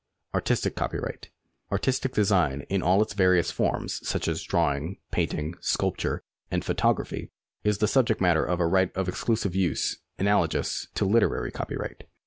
Artistic copyright. Artistic design in all its various forms, such as drawing, painting, sculpture, and photo graphy, is the subject matter of a right of exclusive use analogous to literary copyright.